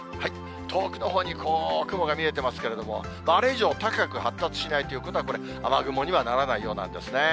遠くのほうにこう、雲が見えてますけれども、あれ以上高く発達しないということは、これ、雨雲にはならないようなんですね。